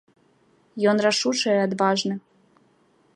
Ён рашучы і адважны.